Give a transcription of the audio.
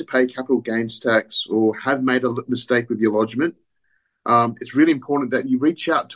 sangat penting anda tahu bahwa kami tidak berada di sana untuk membawamu di ato